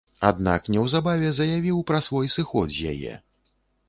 Аднак, неўзабаве заявіў пра свой сыход з яе.